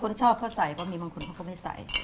คนชอบเข้าใส่ก็มีคนเข้าไม่ใส่